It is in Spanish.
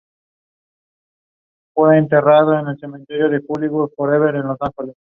Luego de esta aparición, el grupo de organizadores se diluyó.